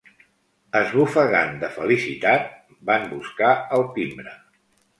Esbufegant de felicitat, van buscar el timbre.